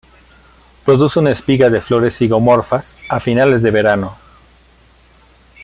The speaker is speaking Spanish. Produce una espiga de flores zigomorfas a finales del verano.